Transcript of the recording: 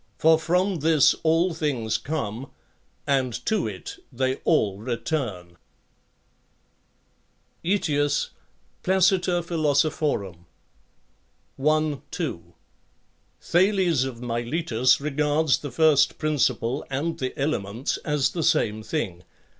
For from this all things come, and to it they all return. Aet. Plac. i. 2; Dox. 275. Thales of Miletos regards the first principle and the elements as the same thing.